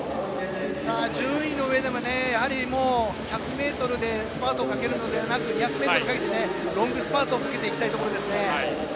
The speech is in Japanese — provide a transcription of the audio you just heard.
順位の上では１００ｍでスパートをかけるのではなく２００ｍでロングスパートをかけていきたいところですね。